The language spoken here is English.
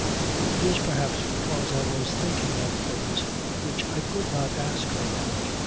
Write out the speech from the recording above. It is perhaps because I was thinking of things which I could not ask her about.